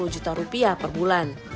delapan puluh juta rupiah per bulan